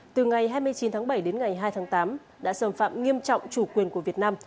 từ ngày hai mươi chín tháng bảy đến ngày hai tháng tám đã xâm phạm nghiêm trọng chủ quyền của việt nam